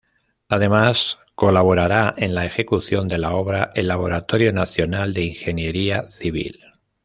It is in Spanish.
Además, colaborará en la ejecución de la obra el Laboratorio Nacional de Ingeniería Civil.